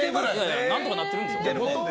何とかなってるんですよ。